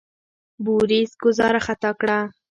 بوریس ګوزاره خطا کړه.